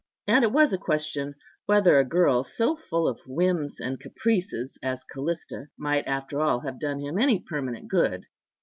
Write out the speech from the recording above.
And it was a question, whether a girl so full of whims and caprices as Callista might after all have done him any permanent good.